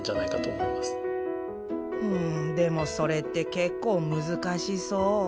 うんでもそれって結構難しそう。